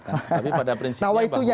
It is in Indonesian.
tapi pada prinsipnya